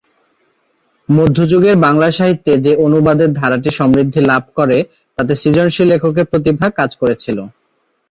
মধ্যযুগের বাংলা সাহিত্যে যে অনুবাদের ধারাটি সমৃদ্ধি লাভ করে তাতে সৃজনশীল লেখকের প্রতিভা কাজ করেছিল।